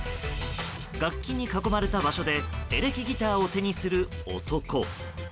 楽器に囲まれた場所でエレキギターを手にする男。